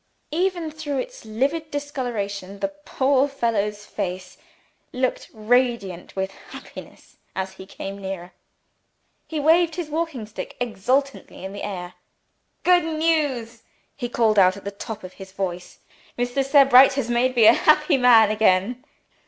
Even through its livid discoloration, the poor fellow's face looked radiant with happiness as he came nearer. He waved his walking stick exultingly in the air. "Good news!" he called out at the top of his voice. "Mr. Sebright has made me a happy man again!"